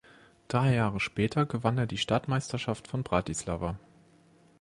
Drei Jahre später gewann er die Stadtmeisterschaft von Bratislava.